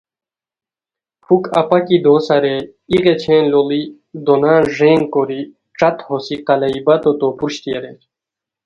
پُھک اپاکی دوسہ رے ای غیچھین لوڑی دونان ݱینگ کوری ݯت ہوسی قلائی بتو تو پروشٹی اریر